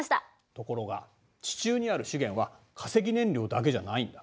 ところが地中にある資源は化石燃料だけじゃないんだ。